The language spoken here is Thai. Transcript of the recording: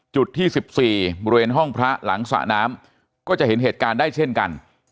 จุดที่๑๔บริเวณห้องพระหลังสระน้ำก็จะเห็นเหตุการณ์ได้เช่นกัน